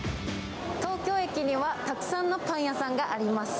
東京駅にはたくさんのパン屋さんがあります。